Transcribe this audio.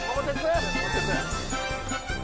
桃鉄！